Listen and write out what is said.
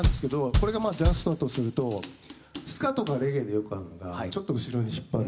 これがジャストだとするとスカとかレゲエでよくあるのがちょっと後ろに引っ張る。